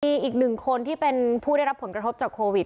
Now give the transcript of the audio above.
มีอีกหนึ่งคนที่เป็นผู้ได้รับผลกระทบจากโควิด